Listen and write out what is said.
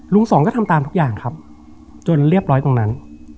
สองก็ทำตามทุกอย่างครับจนเรียบร้อยตรงนั้น